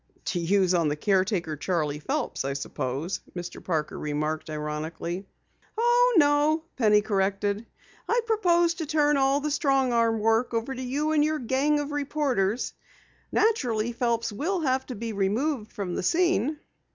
"To use on the caretaker, Charley Phelps, I suppose," Mr. Parker remarked ironically. "Oh, no," Penny corrected, "I propose to turn all the strong arm work over to you and your gang of reporters. Naturally, Phelps will have to be removed from the scene."